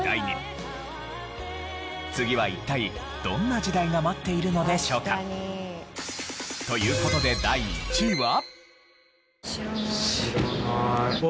次は一体どんな時代が待っているのでしょうか？という事で第１位は。